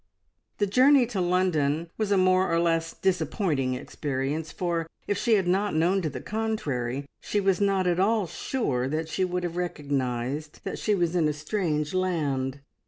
The journey to London was a more or less disappointing experience, for, if she had not known to the contrary, she was not at all sure that she would have recognised that she was in a strange land.